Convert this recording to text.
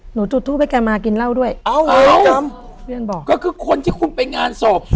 จุดทูปให้แกมากินเหล้าด้วยเอ้าเพื่อนบอกก็คือคนที่คุณไปงานศพ